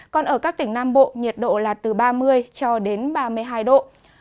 còn ở các tỉnh nam bộ nhiệt độ là từ ba mươi cho đến ba mươi hai độ